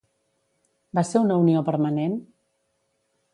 Va ser una unió permanent?